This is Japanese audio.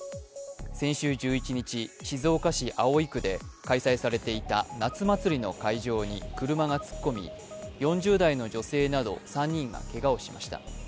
先週１１日、静岡市葵区で開催されていた夏祭りの会場に車が突っ込み４０代の女性など３人がけがをしました。